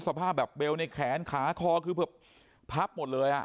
สภาพแบบเบลล์ในแขนขาคอคือแบบพับหมดเลย